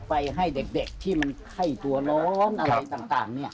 ไปให้เด็กที่มันไข้ตัวร้อนอะไรต่าง